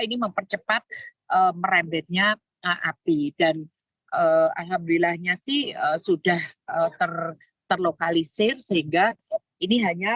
ini mempercepat merembetnya api dan alhamdulillahnya sih sudah terlokalisir sehingga ini hanya